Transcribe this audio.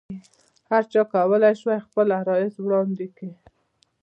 هرچا کولای شول خپل عرایض وړاندې کړي.